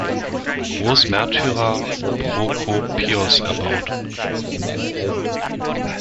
Großmärtyrer Prokopios erbaut.